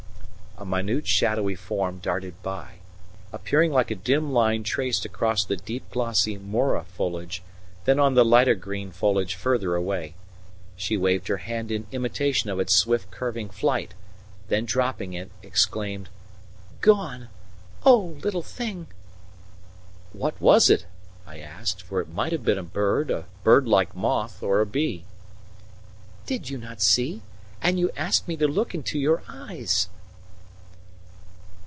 A minute shadowy form darted by, appearing like a dim line traced across the deep glossy more foliage, then on the lighter green foliage further away. She waved her hand in imitation of its swift, curving flight; then, dropping it, exclaimed: "Gone oh, little thing!" "What was it?" I asked, for it might have been a bird, a bird like moth, or a bee. "Did you not see? And you asked me to look into your eyes!"